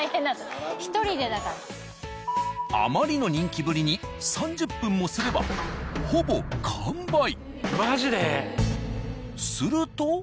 あまりの人気ぶりに３０分もすればマジで！？